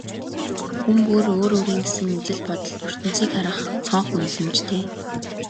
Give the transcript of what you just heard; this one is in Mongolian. Хүн бүр өөр өөрийн гэсэн үзэл бодол, ертөнцийг харах цонх, үнэлэмжтэй.